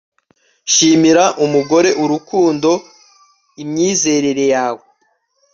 shimira umugore-urukundo-imyizerere yawe